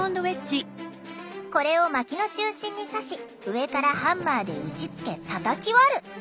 これをまきの中心に刺し上からハンマーで打ちつけ叩き割る。